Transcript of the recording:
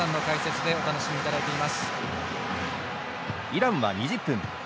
イランは２０分。